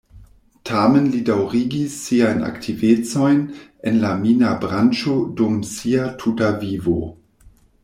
Tamen li daŭrigis siajn aktivecojn en la mina branĉo dum sia tuta vivo.